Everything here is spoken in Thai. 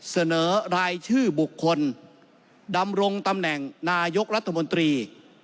เสนอรายชื่อบุคคลดำรงตำแหน่งนายกรัฐมนตรี